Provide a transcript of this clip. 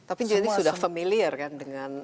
tapi jadi sudah familiar kan dengan